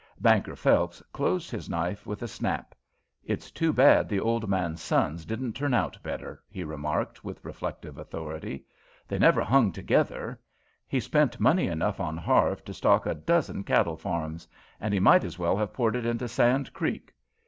Banker Phelps closed his knife with a snap. "It's too bad the old man's sons didn't turn out better," he remarked with reflective authority. "They never hung together. He spent money enough on Harve to stock a dozen cattle farms, and he might as well have poured it into Sand Creek.